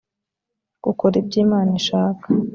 ukora ibyo imana ishaka